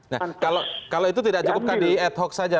nah kalau itu tidak cukupkan di ad hoc saja